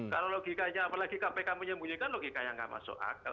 kalau logikanya apalagi kpk punya logikanya nggak masuk akal